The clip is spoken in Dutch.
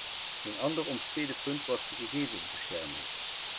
Een ander omstreden punt was de gegevensbescherming.